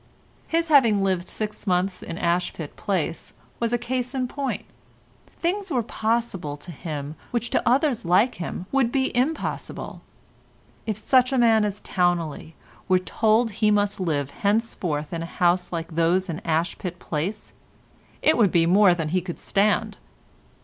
His having lived six months in Ashpit Place was a case in point. Things were possible to him which to others like him would be impossible. If such a man as Towneley were told he must live henceforth in a house like those in Ashpit Place it would be more than he could stand.